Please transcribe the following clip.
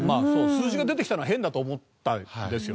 数字が出てきたのは変だと思ったんですよ。